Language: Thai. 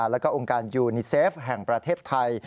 แล้วก็องค์การยูนิเซฟแห่งประเทศไทย